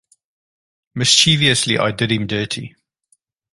Mischievously I did him dirty.